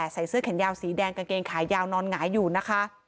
ใส่เสื้อแขนยาวสีแดงกางเกงขายาวนอนหงายอยู่นะคะ